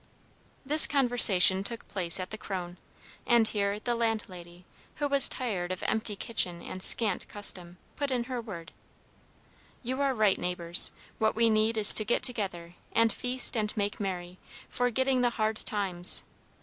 This conversation took place at the Kröne, and here the landlady, who was tired of empty kitchen and scant custom, put in her word: "You are right, neighbors. What we need is to get together, and feast and make merry, forgetting the hard times.